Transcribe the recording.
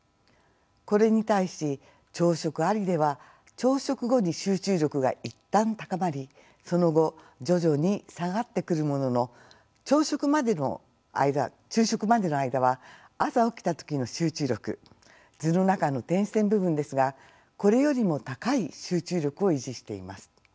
これに対し朝食ありでは朝食後に集中力が一旦高まりその後徐々に下がってくるものの昼食までの間は朝起きた時の集中力図の中の点線部分ですがこれよりも高い集中力を維持しています。